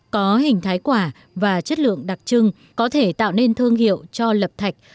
có hình thái quả và chất lượng đặc trưng có thể tạo nên thương hiệu cho lập thạch